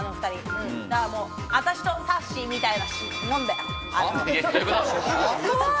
だから、私とさっしーみたいなもんだよ。